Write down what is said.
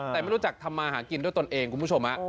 แต่ไม่รู้จักทำมาหากินด้วยตนเองคุณผู้ชม